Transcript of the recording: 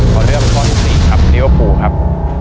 ขอเลือกข้อที่๔ครับลิเวอร์ฟูลครับ